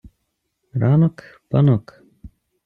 ранок – панок